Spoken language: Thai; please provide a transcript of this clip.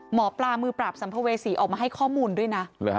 หมอปลามือปราบสัมภเวษีออกมาให้ข้อมูลด้วยนะ